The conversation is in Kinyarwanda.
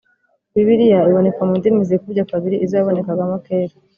Bibiliya iboneka mu ndimi zikubye kabiri izo yabonekagamo kera